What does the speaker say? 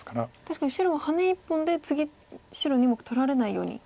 確かに白はハネ１本で次白２目取られないように。